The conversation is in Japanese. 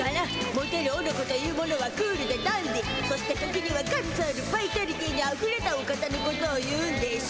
モテるオノコというものはクールでダンディーそして時にはガッツあるバイタリティーにあふれたお方のことを言うんでしゅ。